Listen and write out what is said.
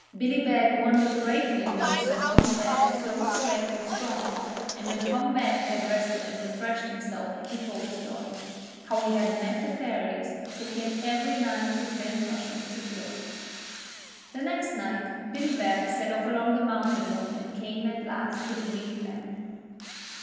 Billy Beg wondered greatly when he saw Tom Beg so straight and strong, and when Tom Beg had rested and refreshed himself he told his story: how he had met the Fairies who came every night to Glen Rushen to drill. The next night Billy Beg set off along the mountain road and came at last to the green glen.